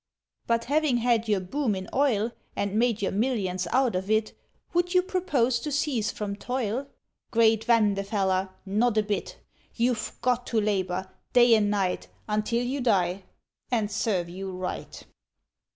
But having had your boom in oil, And made your millions out of it, Would you propose to cease from toil? Great Vanderfeller! Not a bit! You've got to labour, day and night, Until you die and serve you right!